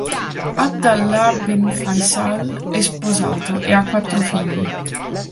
Abd Allah bin Faysal è sposato e ha quattro figli.